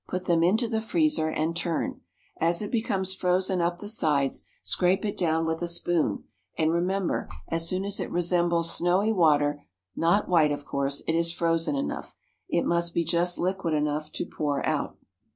Put them into the freezer and turn; as it becomes frozen up the sides, scrape it down with a spoon, and remember, as soon as it resembles snowy water (not white, of course) it is frozen enough. It must be just liquid enough to pour out.